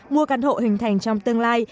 mua căn hộ hình thành trong tương lai